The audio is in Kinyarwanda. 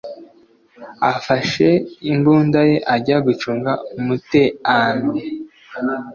Afashe imbunda ye ajya gucunga umuteano